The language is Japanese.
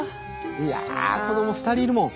いや子ども２人いるもん。